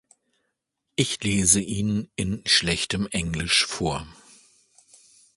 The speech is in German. Ich lese ihn in schlechtem Englisch vor.